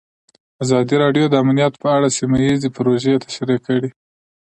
ازادي راډیو د امنیت په اړه سیمه ییزې پروژې تشریح کړې.